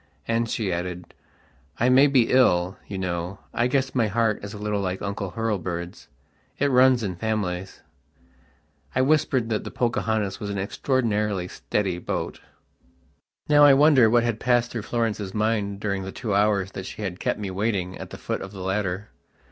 And she added: "I may be ill, you know. I guess my heart is a little like Uncle Hurlbird's. It runs in families." I whispered that the "Pocahontas" was an extraordinarily steady boat.... Now I wonder what had passed through Florence's mind during the two hours that she had kept me waiting at the foot of the ladder.